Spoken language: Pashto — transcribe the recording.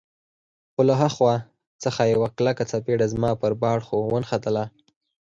خو له ها خوا څخه یوه کلکه څپېړه زما پر باړخو ونښتله.